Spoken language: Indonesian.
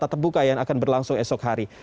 tata buka yang akan berlangsung esok hari